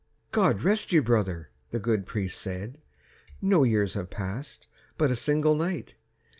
"God rest you, brother," the good priest said, "No years have passed—but a single night."